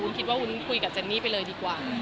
คิดว่าวุ้นคุยกับเจนนี่ไปเลยดีกว่า